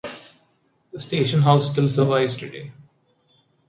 The station house still survives today.